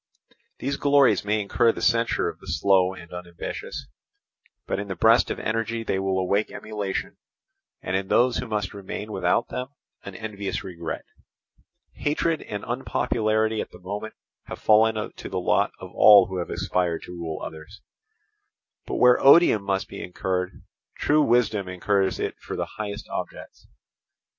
These glories may incur the censure of the slow and unambitious; but in the breast of energy they will awake emulation, and in those who must remain without them an envious regret. Hatred and unpopularity at the moment have fallen to the lot of all who have aspired to rule others; but where odium must be incurred, true wisdom incurs it for the highest objects.